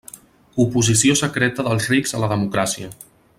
Oposició secreta dels rics a la democràcia.